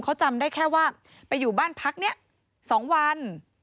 เขาจำได้แค่ว่าไปอยู่บ้านพักนี้๒วัน